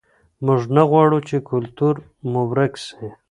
موږ نه غواړو چې کلتور مو ورک سي.